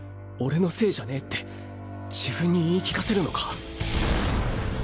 俺のせいじゃねぇ」って自分に言い聞かせるのか？